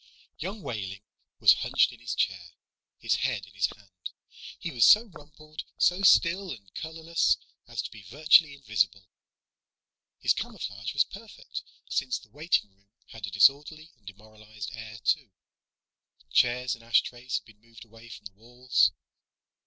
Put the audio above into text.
Young Wehling was hunched in his chair, his head in his hand. He was so rumpled, so still and colorless as to be virtually invisible. His camouflage was perfect, since the waiting room had a disorderly and demoralized air, too. Chairs and ashtrays had been moved away from the walls.